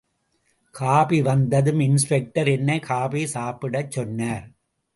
Coffee வந்ததும் inspector என்னை coffee சாப்பிடச் சொன்னார்.